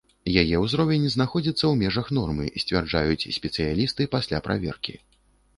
Яе ўзровень знаходзіцца ў межах нормы, сцвярджаюць спецыялісты пасля праверкі.